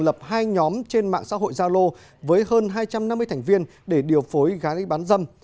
lập hai nhóm trên mạng xã hội gia lô với hơn hai trăm năm mươi thành viên để điều phối gái bán dâm